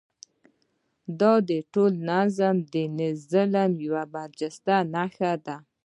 دا د ټول نظام د ظلم یوه برجسته نښه ده.